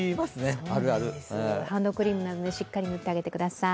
ハンドクリームなどでしっかり塗ってあげてください。